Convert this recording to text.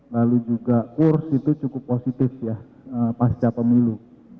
lalu juga kurs itu cukup positif ya pasca pemilu